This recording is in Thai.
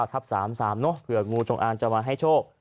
๑๙๙ทับ๓๓เนอะเผื่องูจงอ่างจะมาให้โชค